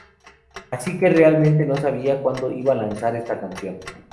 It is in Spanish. Así que realmente no sabía cuándo iba a lanzar esta canción.